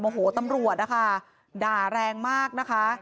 โหตำรวจนะคะด่าแรงมากนะคะ